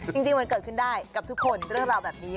จริงมันเกิดขึ้นได้กับทุกคนเรื่องราวแบบนี้